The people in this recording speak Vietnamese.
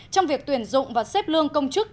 trong việc tuyển dụng và xếp lương công chức